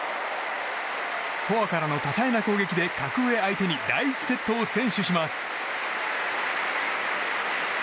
フォアからの多彩な攻撃で格上相手に第１セットを先取します。